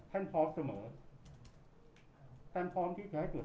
ท่านพร้อมเสมอท่านพร้อมที่จะให้เกิด